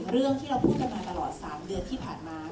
เรื่องที่เราพูดกันมาตลอด๓เดือนที่ผ่านมา